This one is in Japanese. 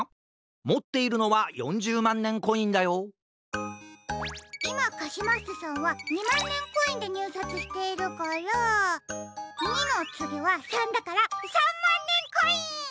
もっているのは４０まんねんコインだよいまカシマッセさんは２まんねんコインでにゅうさつしているから２のつぎは３だから３まんねんコイン！